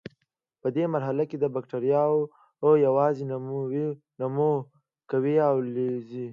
په دې مرحله کې بکټریاوې یوازې نمو کوي او لویږي.